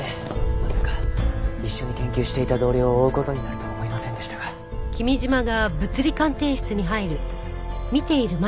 まさか一緒に研究していた同僚を追う事になるとは思いませんでしたが。